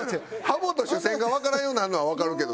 ハモと主旋がわからんようになるのはわかるけどさ。